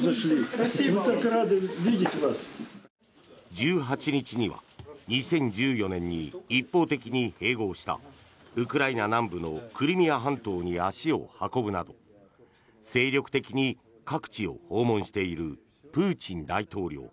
１８日には２０１４年に一方的に併合したウクライナ南部のクリミア半島に足を運ぶなど精力的に各地を訪問しているプーチン大統領。